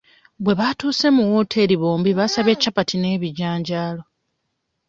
Bwe baatuuse mu wooteri bombi baasabye capati n'ebijanjaalo.